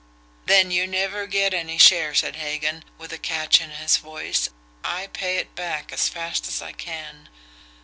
"Then you never get any share," said Hagan, with a catch in his voice. "I pay it back as fast as I can."